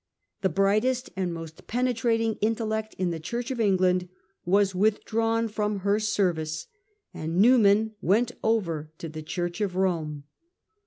The brightest and most penetrating intellect in the Church of England was withdrawn from her service, and Newman went over to the Church of Rome.